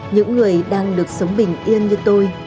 những người đang được sống bình yên như tôi